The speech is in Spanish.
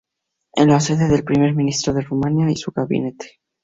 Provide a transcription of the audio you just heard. Es la sede del Primer Ministro de Rumania y su gabinete.